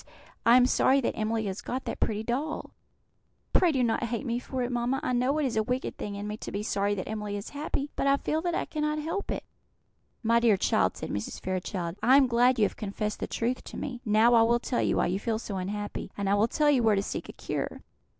I am sorry that Emily has got that pretty doll. Pray do not hate me for it, mamma; I know it is wicked in me to be sorry that Emily is happy, but I feel that I cannot help it." "My dear child," said Mrs. Fairchild, "I am glad you have confessed the truth to me. Now I will tell you why you feel so unhappy, and I will tell you where to seek a cure.